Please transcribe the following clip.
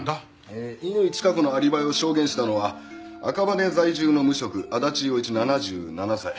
乾チカ子のアリバイを証言したのは赤羽在住の無職足立陽一７７歳。